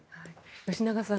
吉永さん